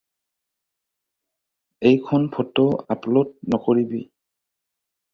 এইখন photo upload নকৰিবি।